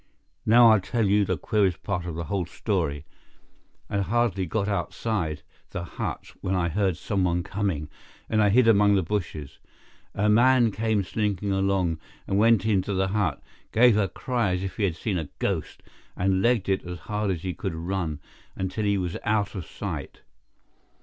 "Now I'll tell you the queerest part of the whole story. I had hardly got outside the hut when I heard someone coming, and I hid among the bushes. A man came slinking along, went into the hut, gave a cry as if he had seen a ghost, and legged it as hard as he could run until he was out of sight.